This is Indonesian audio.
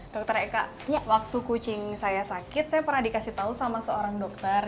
dokter eka waktu kucing saya sakit saya pernah dikasih tahu sama seorang dokter